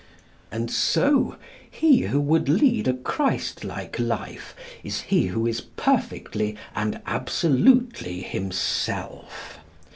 And so he who would lead a Christlike life is he who is perfectly and absolutely himself.